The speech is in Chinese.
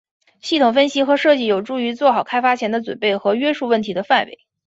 系统分析和设计有助于做好开发前的准备和约束问题的范围。